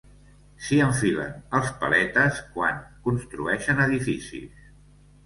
S'hi enfilen els paletes quan construeixen edificis.